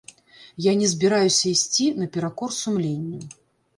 Я не збіраюся ісці наперакор сумленню.